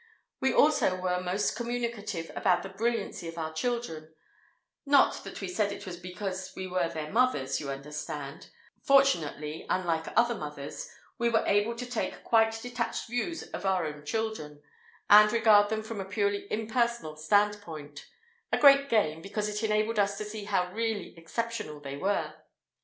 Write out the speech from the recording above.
We also were most communicative about the brilliancy of our children—not that we said it because we were their mothers, you understand; fortunately, unlike other mothers, we were able to take quite detached views of our own children, and regard them from a purely impersonal standpoint; a great gain, because it enabled us to see how really exceptional they were.